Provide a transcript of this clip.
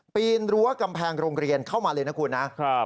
ปีนรั้วกำแพงโรงเรียนเข้ามาเลยนะคุณนะ